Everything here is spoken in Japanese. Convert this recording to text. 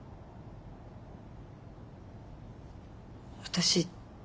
私。